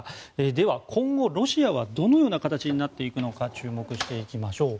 では今後、ロシアはどのような形になっていくのか注目していきましょう。